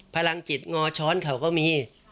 พลังจิตงอช้อนเขาก็มี